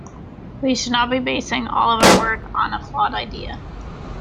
We should not be basing all of our work on a flawed idea.